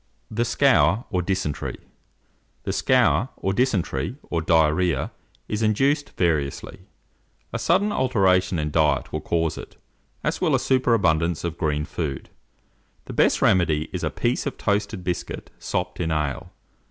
THE SCOUR OR DYSENTERY. The scour, or dysentery, or diarrhoea, is induced variously. A sudden alteration in diet will cause it, as will a superabundance of green food. The best remedy is a piece of toasted biscuit sopped in ale.